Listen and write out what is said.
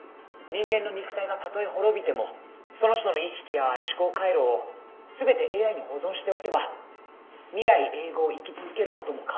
「人間の肉体がたとえ滅びてもその人の意識や思考回路を全てＡＩに保存しておけば未来永劫生き続ける事も可能になる」